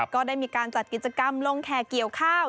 ก็ได้มีการจัดกิจกรรมลงแขกเกี่ยวข้าว